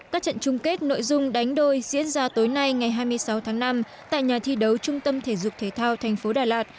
các trận chung kết nội dung đánh đôi diễn ra tối nay ngày hai mươi sáu tháng năm tại nhà thi đấu trung tâm thể dục thể thao thành phố đà lạt